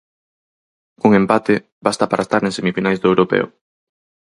Cun empate basta para estar en semifinais do europeo.